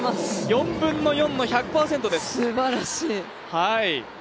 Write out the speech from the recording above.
４分の４の１００％です。